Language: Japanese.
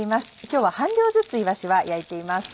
今日は半量ずついわしは焼いています。